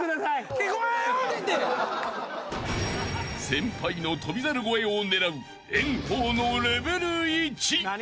［先輩の翔猿超えを狙う炎鵬のレベル１］